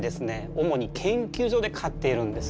主に研究所で飼っているんですよ。